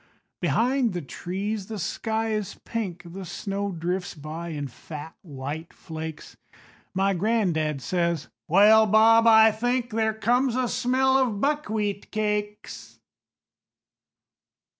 Behind the trees the sky is pink, The snow drifts by in fat white flakes, My gran'dad says: "Well, Bob, I think There comes a smell of buckwheat cakes."